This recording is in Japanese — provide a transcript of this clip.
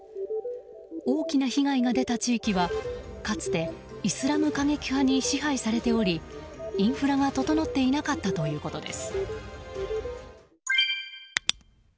大きな被害が出た地域はかつてイスラム過激派に支配されておりインフラが整っていなかったということです。